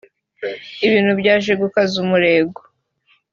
ibintu byaje gukaza umurego